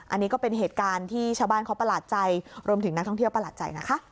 อันนี้ก็เป็นเหตุการณ์ที่ชาวบ้านเขาประหลาดใจรวมถึงนักท่องเที่ยวประหลาดใจนะคะ